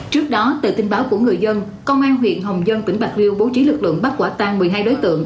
trước đó từ tin báo của người dân công an huyện hồng dân tỉnh bạc liêu bố trí lực lượng bắt quả tan một mươi hai đối tượng